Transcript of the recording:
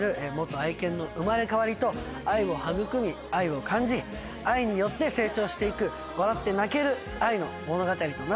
愛犬の生まれ変わりと愛を育み愛を感じ愛によって成長して行く笑って泣ける愛の物語となってます。